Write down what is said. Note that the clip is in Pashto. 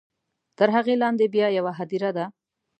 تر هغې لاندې بیا یوه هدیره ده.